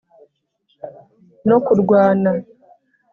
no kurwana,